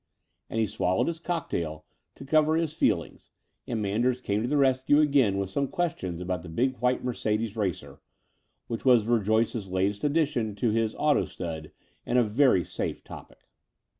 And he swallowed his cocktail to cover his feel ings : and Manders came to the rescue again with some questions about the big white Merc6dds racer, which was Verjoyce's latest addition to his auto stud and a very safe topic.